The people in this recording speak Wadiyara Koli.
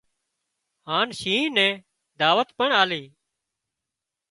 هانَ شينهن نين دعوت پڻ آلي